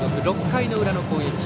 ６回の裏の攻撃。